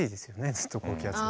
ずっと高気圧が。